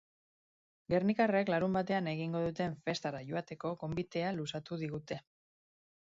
Gernikarrek larunbatean egingo duten festara joateko gonbitea luzatu digute.